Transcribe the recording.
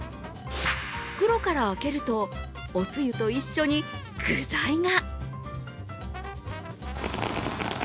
袋からあけると、おつゆと一緒に具材が。